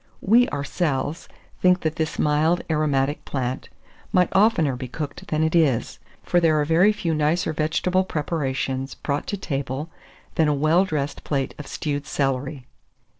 We ourselves think that this mild aromatic plant might oftener be cooked than it is; for there are very few nicer vegetable preparations brought to table than a well dressed plate of stewed celery.